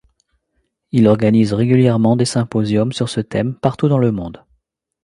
Il organise régulièrement des symposiums sur ce thème partout dans le monde.